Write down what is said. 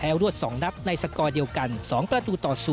รวด๒นัดในสกอร์เดียวกัน๒ประตูต่อ๐